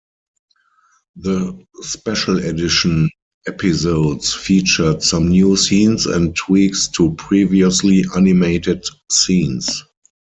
The Special Edition episodes featured some new scenes and tweaks to previously animated scenes.